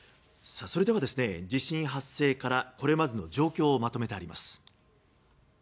それでは、地震発生からこれまでの状況をまとめてあります。